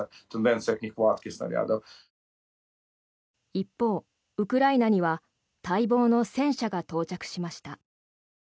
一方、ウクライナには待望の戦車が到着しました。